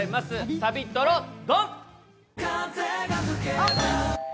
サビトロドン！